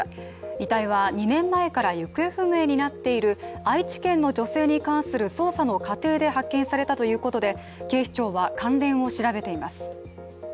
遺体は２年前から行方不明になっている愛知県の女性に関する捜査の過程で発見されたということで警視庁は関連を調べています。